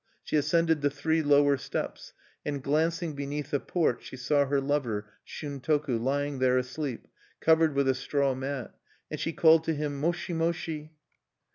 She ascended the three lower steps, and glancing beneath a porch she saw her lover, Shuntoku, lying there asleep, covered with a straw mat; and she called to him, "Moshi! Moshi!